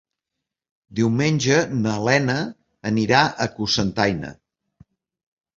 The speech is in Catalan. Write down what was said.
Diumenge na Lena anirà a Cocentaina.